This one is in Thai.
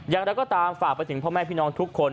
อย่างไรก็ตามฝากไปถึงพ่อแม่พี่น้องทุกคน